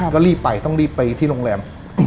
ก็รีบไปต้องรีบไปที่โรงแรม